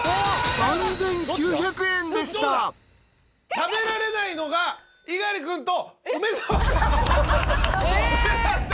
食べられないのが猪狩君と梅沢さん。